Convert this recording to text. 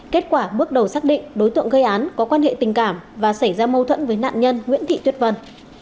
kết quả bước đầu xác định đối tượng gây án có quan hệ tình cảm và xảy ra mâu thuẫn với nạn nhân nguyễn thị tuyết vân